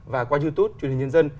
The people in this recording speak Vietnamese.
và qua youtube truyền hình nhân dân